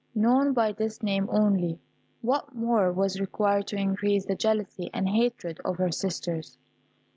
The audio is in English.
Known by this name only, what more was required to increase the jealousy and hatred of her sisters?